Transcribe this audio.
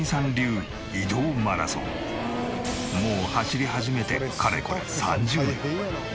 もう走り始めてかれこれ３０年。